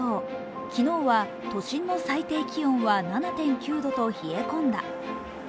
昨日は都心の最低気温は７．９度と冷え込んだ。